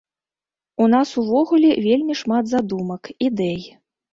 У нас увогуле вельмі шмат задумак, ідэй.